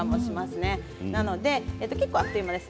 結構あっという間です。